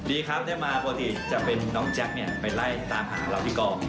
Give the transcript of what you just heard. ดีครับมาปกติจะเป็นฮจักรไปไล่ตามหาเราที่กอง